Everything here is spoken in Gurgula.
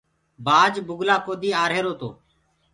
بآج بُگلآ ڪودي آرهيرو تو۔